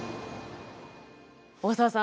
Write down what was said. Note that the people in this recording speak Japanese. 大沢さん